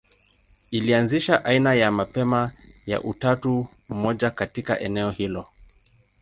Ilianzisha aina ya mapema ya utatu mmoja katika eneo hilo.